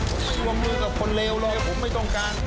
ผมไม่รวมมือกับคนเลวเลยผมไม่ต้องการ